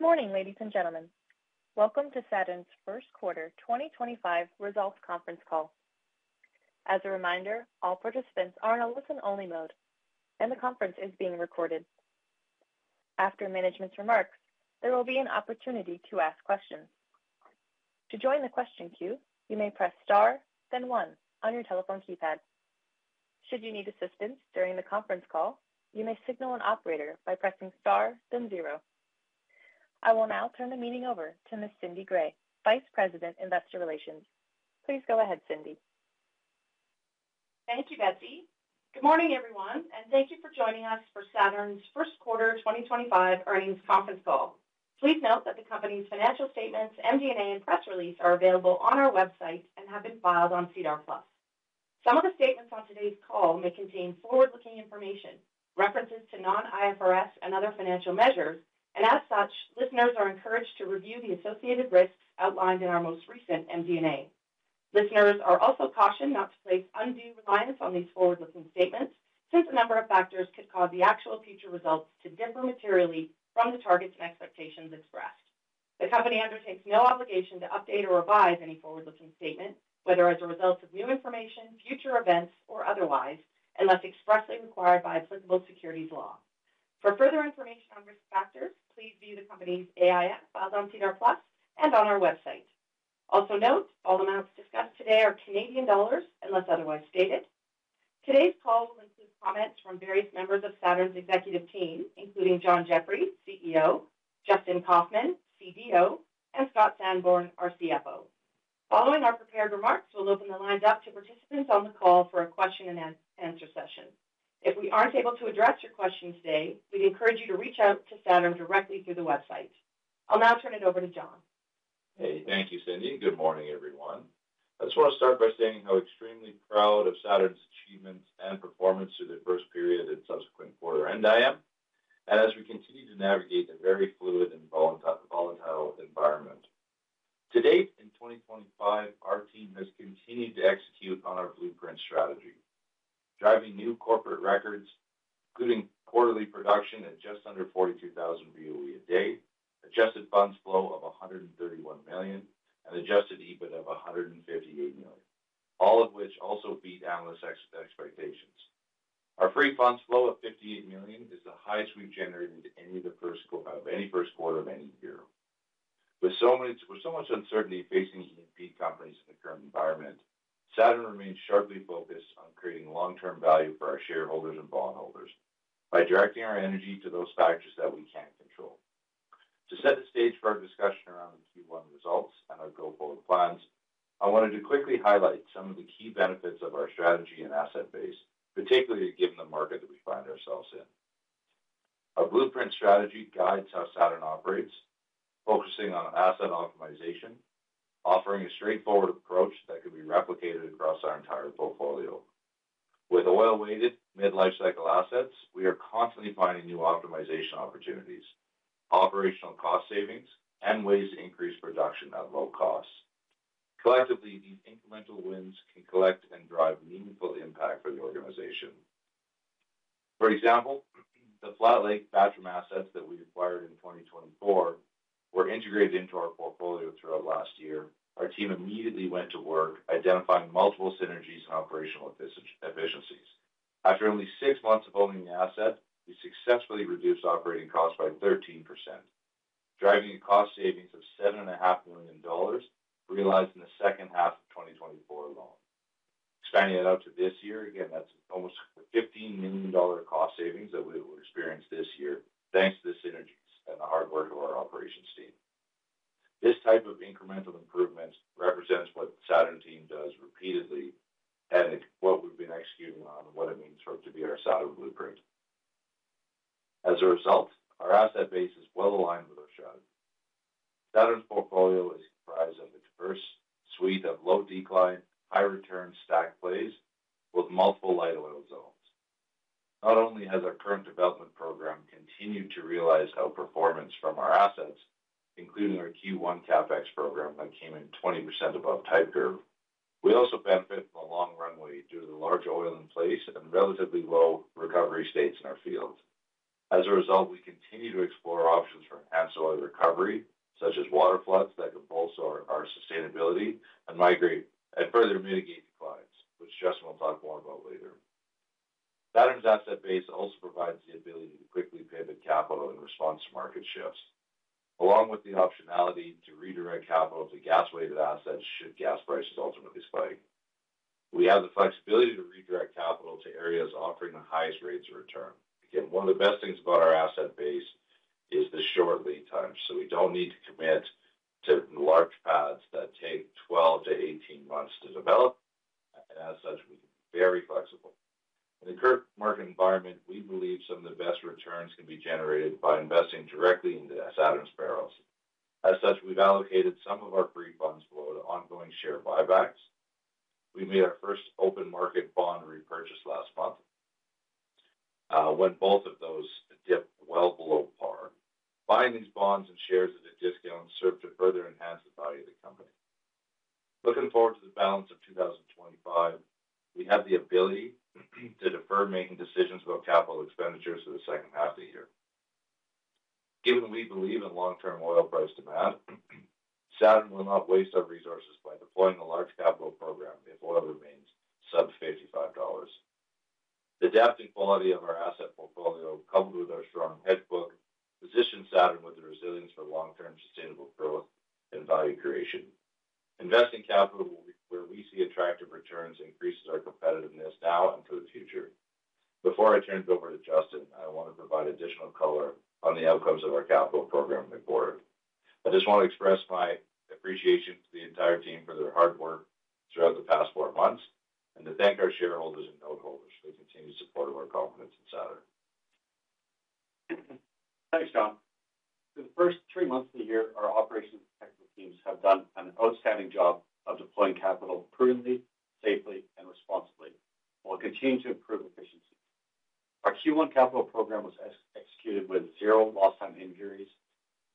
Good morning, ladies and gentlemen. Welcome to Saturn's First Quarter 2025 Results Conference Call. As a reminder, all participants are in a listen-only mode, and the conference is being recorded. After management's remarks, there will be an opportunity to ask questions. To join the question queue, you may press star, then one, on your telephone keypad. Should you need assistance during the conference call, you may signal an operator by pressing star, then zero. I will now turn the meeting over to Ms. Cindy Gray, Vice President, Investor Relations. Please go ahead, Cindy. Thank you, Betsy. Good morning, everyone, and thank you for joining us for Saturn's First Quarter 2025 Earnings Conference Aall. Please note that the company's financial statements, MD&A, and press release are available on our website and have been filed on CDAR Plus. Some of the statements on today's call may contain forward-looking information, references to non-IFRS and other financial measures, and as such, listeners are encouraged to review the associated risks outlined in our most recent MD&A. Listeners are also cautioned not to place undue reliance on these forward-looking statements since a number of factors could cause the actual future results to differ materially from the targets and expectations expressed. The company undertakes no obligation to update or revise any forward-looking statement, whether as a result of new information, future events, or otherwise, unless expressly required by applicable securities law. For further information on risk factors, please view the company's AIF filed on CDAR Plus and on our website. Also note, all amounts discussed today are Canadian dollars unless otherwise stated. Today's call will include comments from various members of Saturn's executive team, including John Jeffrey, CEO, Justin Kaufman, CDO, and Scott Sanborn, our CFO. Following our prepared remarks, we'll open the lines up to participants on the call for a question-and-answer session. If we aren't able to address your question today, we'd encourage you to reach out to Saturn directly through the website. I'll now turn it over to John. Hey, thank you, Cindy. Good morning, everyone. I just want to start by saying how extremely proud of Saturn's achievements and performance through the first period and subsequent quarter end I am, and as we continue to navigate the very fluid and volatile environment. To date, in 2025, our team has continued to execute on our blueprint strategy, driving new corporate records, including quarterly production at just under 42,000 boe/d, adjusted funds flow of 131 million, and adjusted EBITDA of 158 million, all of which also beat analysts' expectations. Our free funds flow of 58 million is the highest we've generated in any first quarter of any year. With so much uncertainty facing E&P companies in the current environment, Saturn remains sharply focused on creating long-term value for our shareholders and bondholders by directing our energy to those factors that we can control. To set the stage for our discussion around the Q1 results and our goal forward plans, I wanted to quickly highlight some of the key benefits of our strategy and asset base, particularly given the market that we find ourselves in. Our blueprint strategy guides how Saturn operates, focusing on asset optimization, offering a straightforward approach that could be replicated across our entire portfolio. With oil-weighted, mid-life-cycle assets, we are constantly finding new optimization opportunities, operational cost savings, and ways to increase production at low costs. Collectively, these incremental wins can collect and drive meaningful impact for the organization. For example, the Flat Lake Bathurst assets that we acquired in 2024 were integrated into our portfolio throughout last year. Our team immediately went to work identifying multiple synergies and operational efficiencies. After only six months of owning the asset, we successfully reduced operating costs by 13%, driving a cost savings of 7.5 million dollars realized in the second half of 2024 alone. Expanding that out to this year, again, that's almost 15 million dollar cost savings that we will experience this year thanks to the synergies and the hard work of our operations team. This type of incremental improvement represents what the Saturn team does repeatedly and what we've been executing on and what it means for it to be our Saturn blueprint. As a result, our asset base is well aligned with our strategy. Saturn's portfolio is comprised of a diverse suite of low-decline, high-return stack plays with multiple light oil zones. Not only has our current development program continued to realize outperformance from our assets, including our Q1 CapEx program that came in 20% above type curve, we also benefit from a long runway due to the large oil in place and relatively low recovery states in our fields. As a result, we continue to explore options for enhanced oil recovery, such as waterfloods that could bolster our sustainability and migrate and further mitigate declines, which Justin will talk more about later. Saturn's asset base also provides the ability to quickly pivot capital in response to market shifts, along with the optionality to redirect capital to gas-weighted assets should gas prices ultimately spike. We have the flexibility to redirect capital to areas offering the highest rates of return. Again, one of the best things about our asset base is the short lead time, so we do not need to commit to large paths that take 12 months-18 months to develop, and as such, we can be very flexible. In the current market environment, we believe some of the best returns can be generated by investing directly into Saturn's barrels. As such, we have allocated some of our free funds flow to ongoing share buybacks. We made our first open market bond repurchase last month when both of those dipped well below par. Buying these bonds and shares at a discount served to further enhance the value of the company. Looking forward to the balance of 2025, we have the ability to defer making decisions about capital expenditures for the second half of the year. Given we believe in long-term oil price demand, Saturn will not waste our resources by deploying a large capital program if oil remains sub-$55. The depth and quality of our asset portfolio, coupled with our strong hedge book, positions Saturn with the resilience for long-term sustainable growth and value creation. Investing capital where we see attractive returns increases our competitiveness now and for the future. Before I turn it over to Justin, I want to provide additional color on the outcomes of our capital program in the quarter. I just want to express my appreciation to the entire team for their hard work throughout the past four months and to thank our shareholders and noteholders for the continued support of our confidence in Saturn. Thanks, John. For the first three months of the year, our operations and technical teams have done an outstanding job of deploying capital prudently, safely, and responsibly, while continuing to improve efficiencies. Our Q1 capital program was executed with zero lost-time injuries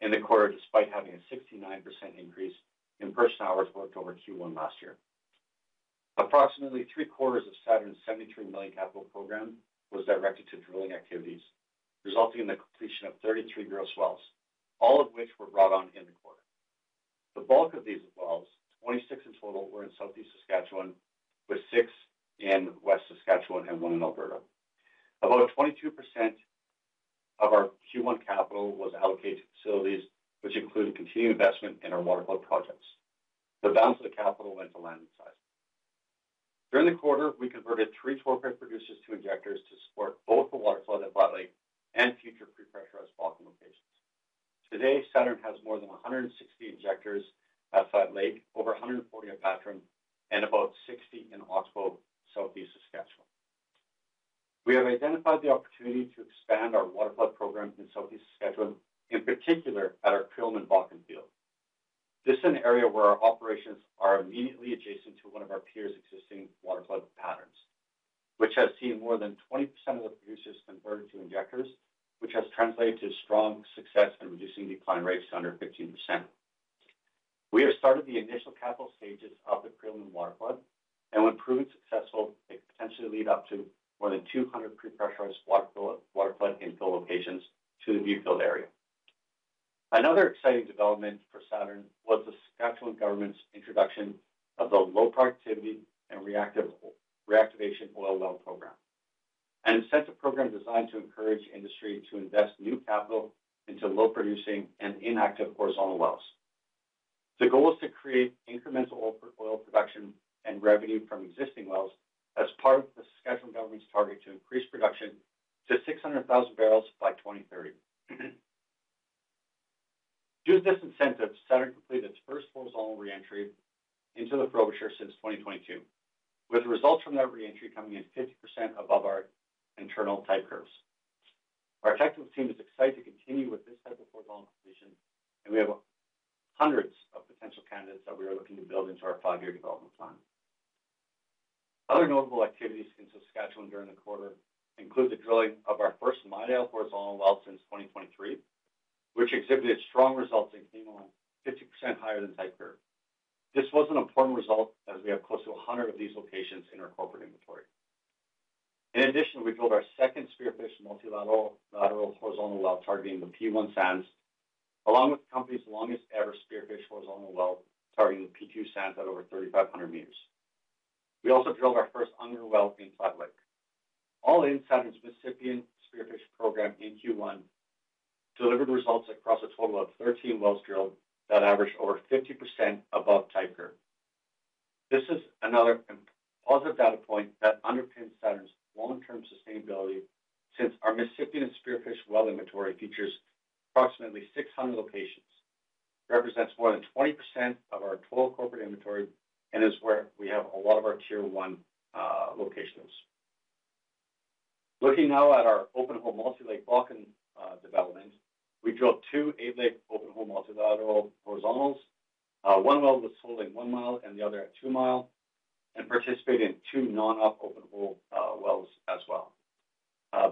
in the quarter despite having a 69% increase in person hours worked over Q1 last year. Approximately three-quarters of Saturn's 73 million capital program was directed to drilling activities, resulting in the completion of 33 gross wells, all of which were brought on in the quarter. The bulk of these wells, 26 in total, were in Southeast Saskatchewan, with six in West Saskatchewan and one in Alberta. About 22% of our Q1 capital was allocated to facilities, which included continued investment in our waterflood projects. The balance of the capital went to land in size. During the quarter, we converted three torque-piped producers to injectors to support both the waterflood at Flat Lake and future pre-pressurized balcony locations. Today, Saturn has more than 160 injectors at Flat Lake, over 140 at Bathurst, and about 60 in Oxbow, Southeast Saskatchewan. We have identified the opportunity to expand our waterflood program in Southeast Saskatchewan, in particular at our Creelman Bakken field. This is an area where our operations are immediately adjacent to one of our peers' existing waterflood patterns, which has seen more than 20% of the producers converted to injectors, which has translated to strong success in reducing decline rates to under 15%. We have started the initial capital stages of the Creelman waterflood, and when proven successful, it could potentially lead up to more than 200 pre-pressurized waterflood and fill locations to the Viewfield area. Another exciting development for Saturn was the Saskatchewan government's introduction of the low productivity and reactivation oil well program, an incentive program designed to encourage industry to invest new capital into low-producing and inactive horizontal wells. The goal is to create incremental oil production and revenue from existing wells as part of the Saskatchewan government's target to increase production to 600,000 barrels by 2030. Due to this incentive, Saturn completed its first horizontal reentry into the Frobisher since 2022, with results from that reentry coming in 50% above our internal type curves. Our technical team is excited to continue with this type of horizontal completion, and we have hundreds of potential candidates that we are looking to build into our five-year development plan. Other notable activities in Saskatchewan during the quarter include the drilling of our first Midale horizontal well since 2023, which exhibited strong results in Kininvie, 50% higher than type curve. This was an important result as we have close to 100 of these locations in our corporate inventory. In addition, we drilled our second Spearfish multilateral horizontal well targeting the P1 sands, along with the company's longest-ever Spearfish horizontal well targeting the P2 sands at over 3,500 meters. We also drilled our first underwell in Flat Lake. All in, Saturn's Mississippian Spearfish program in Q1 delivered results across a total of 13 wells drilled that averaged over 50% above type curve. This is another positive data point that underpins Saturn's long-term sustainability since our Mississippian Spearfish well inventory features approximately 600 locations, represents more than 20% of our total corporate inventory, and is where we have a lot of our Tier 1 locations. Looking now at our open hole multilateral Bakken development, we drilled two eight-leg open hole multilateral horizontals. One well was spud at 1 mi and the other at 2 mi, and participated in two non-op open hole wells as well.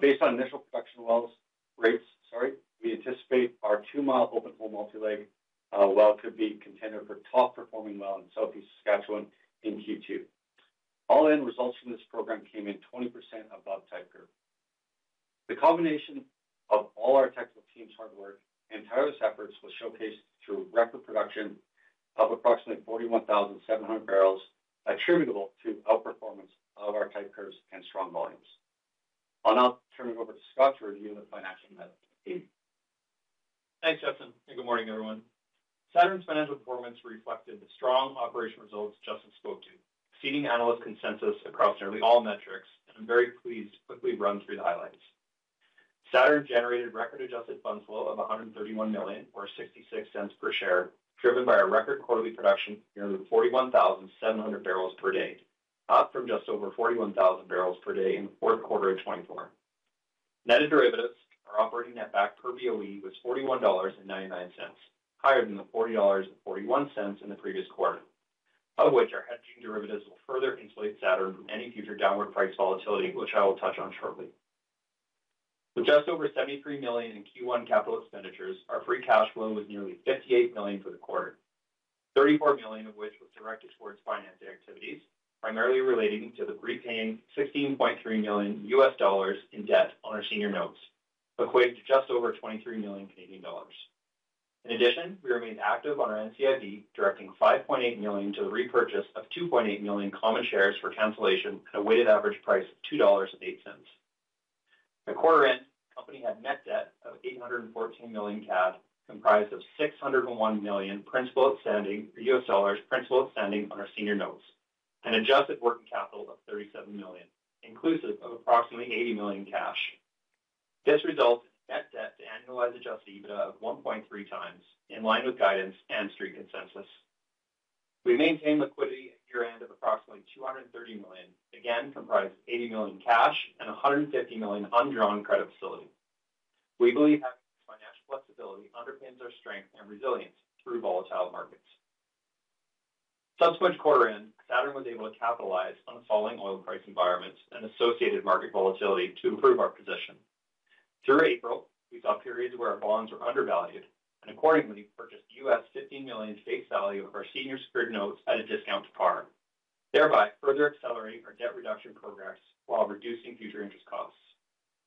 Based on initial production well rates, we anticipate our 2 mi open hole multilateral well could be a contender for top-performing well in Southeast Saskatchewan in Q2. All in, results from this program came in 20% above type curve. The combination of all our technical team's hard work and tireless efforts was showcased through record production of approximately 41,700 barrels attributable to outperformance of our type curves and strong volumes. I'll now turn it over to Scott to review the financial method. Thanks, Justin, and good morning, everyone. Saturn's financial performance reflected the strong operational results Justin spoke to, exceeding analyst consensus across nearly all metrics, and I'm very pleased to quickly run through the highlights. Saturn generated record adjusted funds flow of 131 million, or 0.66 per share, driven by our record quarterly production of nearly 41,700 barrels per day, up from just over 41,000 barrels per day in the fourth quarter of 2024. Net derivatives, our operating net back per boe, was 41.99 dollars, higher than the 40.41 dollars in the previous quarter, of which our hedging derivatives will further insulate Saturn from any future downward price volatility, which I will touch on shortly. With just over 73 million in Q1 capital expenditures, our free cash flow was nearly 58 million for the quarter, 34 million of which was directed towards financing activities, primarily relating to the prepaying $16.3 million in debt on our senior notes, equating to just over 23 million Canadian dollars. In addition, we remained active on our NCIB, directing 5.8 million to the repurchase of 2.8 million common shares for cancellation at a weighted average price of 2.08 dollars. At quarter end, the company had net debt of 814 million CAD, comprised of $601 million principal outstanding on our senior notes, and adjusted working capital of 37 million, inclusive of approximately 80 million cash. This resulted in net debt to annualized adjusted EBITDA of 1.3x, in line with guidance and street consensus. We maintained liquidity at year-end of approximately 230 million, again comprised of 80 million cash and 150 million undrawn credit facility. We believe having this financial flexibility underpins our strength and resilience through volatile markets. Subsequent quarter end, Saturn was able to capitalize on the falling oil price environment and associated market volatility to improve our position. Through April, we saw periods where our bonds were undervalued and, accordingly, purchased $15 million face value of our senior secured notes at a discount to par, thereby further accelerating our debt reduction progress while reducing future interest costs.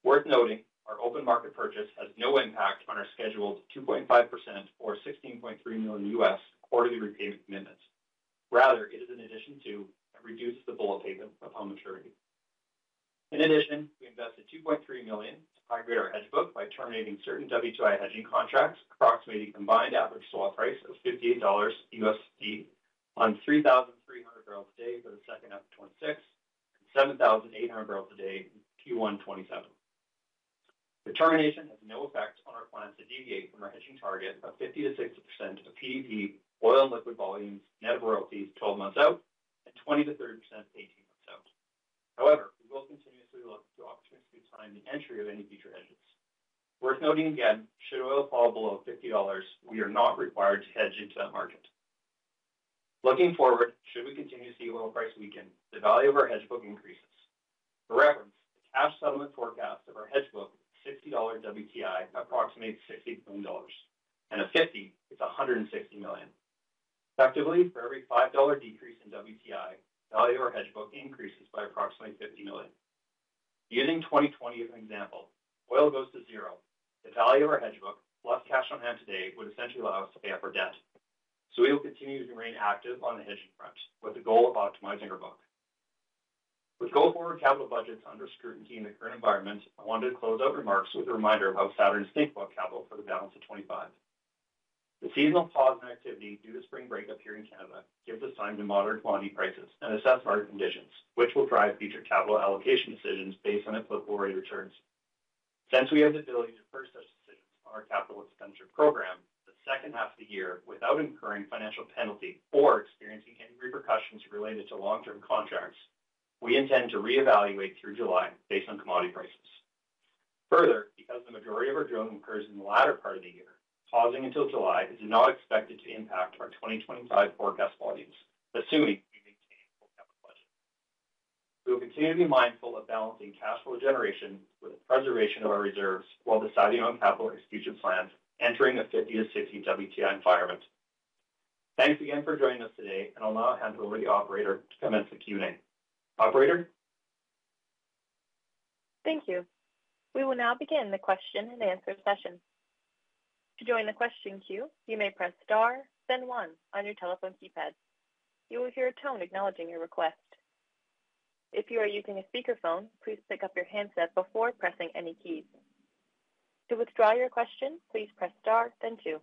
Worth noting, our open market purchase has no impact on our scheduled 2.5% or $16.3 million quarterly repayment commitments. Rather, it is in addition to and reduces the bullet payment upon maturity. In addition, we invested 2.3 million to migrate our hedge book by terminating certain WTI hedging contracts approximating combined average swap price of $58 on 3,300 barrels a day for the second half of 2026 and 7,800 barrels a day in Q1 2027. The termination has no effect on our plans to deviate from our hedging target of 50%-60% of PDP oil and liquid volumes net of royalties 12 months out and 20%-30% 18 months out. However, we will continuously look to opportunities to time the entry of any future hedges. Worth noting again, should oil fall below 50 dollars, we are not required to hedge into that market. Looking forward, should we continue to see oil price weaken, the value of our hedge book increases. For reference, the cash settlement forecast of our hedge book is 60 dollar WTI, approximating 60 million dollars, and at 50 it is 160 million. Effectively, for every 5 dollar decrease in WTI, the value of our hedge book increases by approximately 50 million. Using 2020 as an example, oil goes to zero. The value of our hedge book, plus cash on hand today, would essentially allow us to pay off our debt. We will continue to remain active on the hedging front with the goal of optimizing our book. With go-forward capital budgets under scrutiny in the current environment, I wanted to close out remarks with a reminder of how Saturn is thinking about capital for the balance of 2025. The seasonal pause in activity due to spring break up here in Canada gives us time to monitor commodity prices and assess market conditions, which will drive future capital allocation decisions based on inflation-related returns. Since we have the ability to defer such decisions on our capital expenditure program the second half of the year without incurring financial penalty or experiencing any repercussions related to long-term contracts, we intend to reevaluate through July based on commodity prices. Further, because the majority of our drilling occurs in the latter part of the year, pausing until July is not expected to impact our 2025 forecast volumes, assuming we maintain a full capital budget. We will continue to be mindful of balancing cash flow generation with the preservation of our reserves while deciding on capital execution plans entering the 50-60 WTI environment. Thanks again for joining us today, and I'll now hand over to the operator to commence the Q&A. Operator. Thank you. We will now begin the question and answer session. To join the question queue, you may press star, then one on your telephone keypad. You will hear a tone acknowledging your request. If you are using a speakerphone, please pick up your handset before pressing any keys. To withdraw your question, please press star, then two.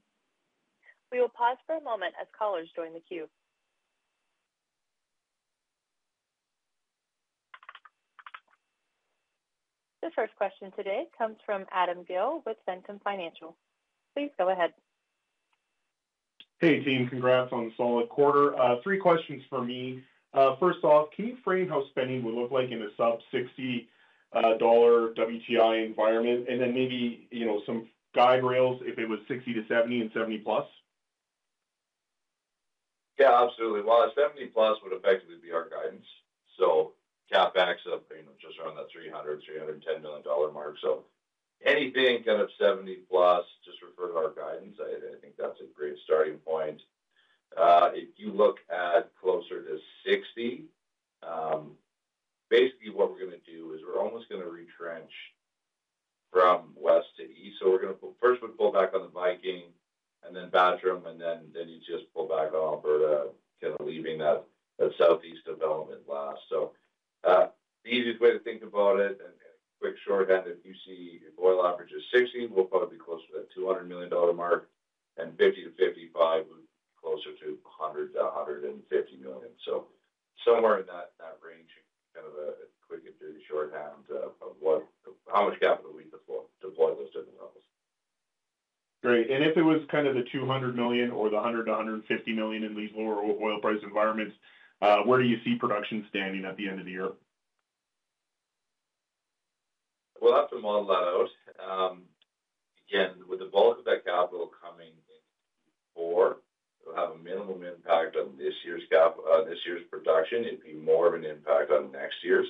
We will pause for a moment as callers join the queue. The first question today comes from Adam Gill with Ventum Financial. Please go ahead. Hey, team. Congrats on the solid quarter. Three questions for me. First off, can you frame how spending would look like in a sub-CAD 60 WTI environment? And then maybe some guide rails if it was 60-70 and 70+? Yeah, absolutely. 70+ would effectively be our guidance. CapEx up just around that 300 million-310 million dollar mark. Anything kind of 70+, just refer to our guidance. I think that's a great starting point. If you look at closer to sixty, basically what we're going to do is we're almost going to retrench from west to east. We're going to first pull back on the Viking and then Bathurst, and then you just pull back on Alberta, kind of leaving that southeast development last. The easiest way to think about it and quick shorthand, if you see oil averages sixty, we'll probably be closer to that 200 million dollar mark. 50-55 would be closer to 100 million-150 million. Somewhere in that range, kind of a quick and dirty shorthand of how much capital we deploy at those different levels. Great. If it was kind of the 200 million or the 100 million-150 million in these lower oil price environments, where do you see production standing at the end of the year? I have to model that out. Again, with the bulk of that capital coming in Q4, it'll have a minimum impact on this year's production. It'd be more of an impact on next year's,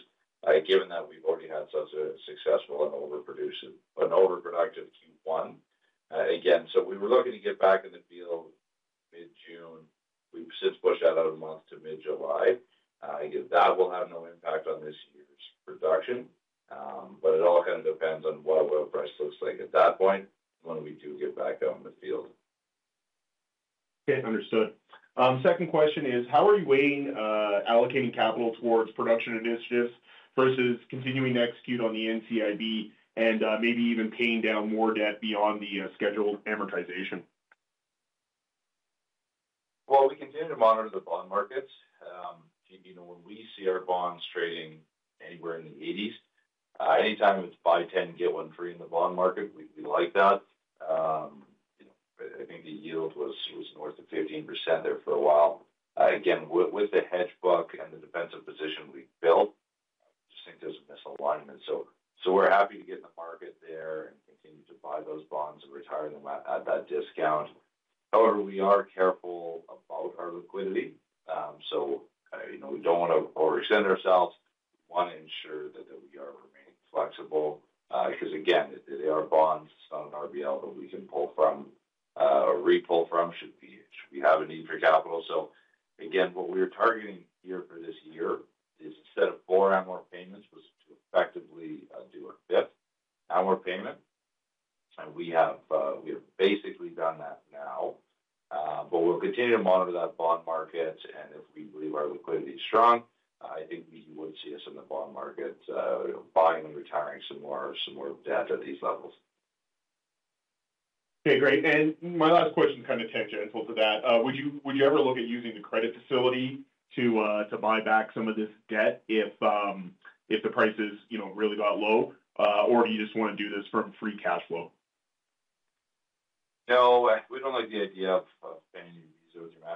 given that we've already had such a successful and overproductive Q1. Again, we were looking to get back in the field mid-June. We've since pushed that out a month to mid-July. That will have no impact on this year's production, but it all kind of depends on what oil price looks like at that point when we do get back out in the field. Okay. Understood. Second question is, how are you weighing allocating capital towards production initiatives versus continuing to execute on the NCIB and maybe even paying down more debt beyond the scheduled amortization? We continue to monitor the bond markets. When we see our bonds trading anywhere in the CAD 80s, anytime it is buy 10, get one free in the bond market, we like that. I think the yield was north of 15% there for a while. Again, with the hedge book and the defensive position we built, we just think there is a misalignment. We are happy to get in the market there and continue to buy those bonds and retire them at that discount. However, we are careful about our liquidity. We do not want to overextend ourselves. We want to ensure that we are remaining flexible because, again, our bonds on RBL that we can pull from or repull from should we have a need for capital. What we are targeting here for this year is instead of four ammo payments, to effectively do a fifth ammo payment. We have basically done that now. We will continue to monitor that bond market. If we believe our liquidity is strong, I think we would see us in the bond market buying and retiring some more debt at these levels. Okay. Great. My last question is kind of tangential to that. Would you ever look at using the credit facility to buy back some of this debt if the prices really got low, or do you just want to do this from free cash flow? No. We don't like the idea of paying in Visa with your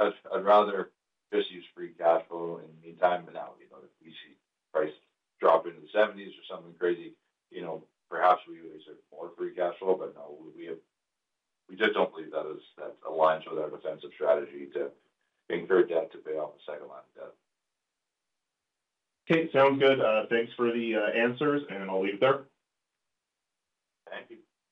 MasterCard. I'd rather just use free cash flow in the meantime, and that would be another WTI price drop into the CAD 70s or something crazy. Perhaps we would exert more free cash flow, but no, we just don't believe that aligns with our defensive strategy to incur debt to pay off the second line of debt. Okay. Sounds good. Thanks for the answers, and I'll leave it there. Thank you.